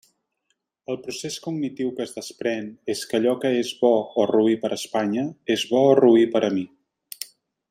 El procés cognitiu que es desprén és que allò que és bo o roí per a Espanya és bo o roí per a mi.